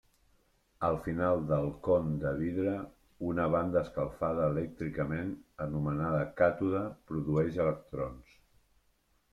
Al final del con de vidre, una banda escalfada elèctricament, anomenada càtode, produeix electrons.